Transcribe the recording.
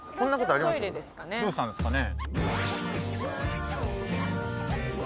どうしたんですかね？